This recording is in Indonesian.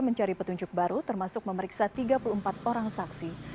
mencari petunjuk baru termasuk memeriksa tiga puluh empat orang saksi